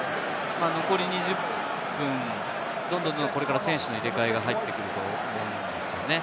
残り２０分、どんどんこれから選手の入れ替えが入ってくると思うんですよね。